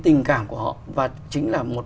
tình cảm của họ và chính là một